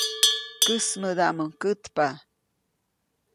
Käsmädaʼmuŋ kätpa.